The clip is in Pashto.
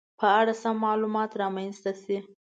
په اړه سم معلومات رامنځته شي